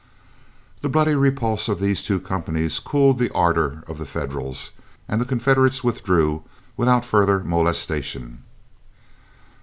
The bloody repulse of these two companies cooled the ardor of the Federals, and the Confederates withdrew without further molestation.